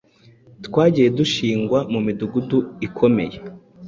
twagiye dushingwa mu midugudu ikomeye.